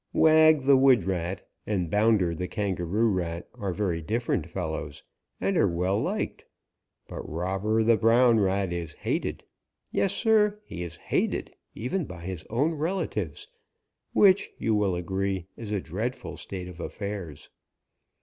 Wag the Wood Rat and Bounder the Kangeroo Rat are very different fellows and are well liked, but Robber the Brown Rat is hated. Yes, Sir, he is hated even by his own relatives, which, you will agree, is a dreadful state of affairs.